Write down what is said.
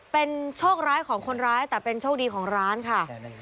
เป็นโชคร้ายของคนร้ายแต่เป็นโชคดีของร้านค่ะ